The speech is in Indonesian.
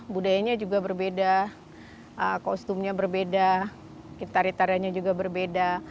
budayanya juga berbeda kostumnya berbeda kitar kitaranya juga berbeda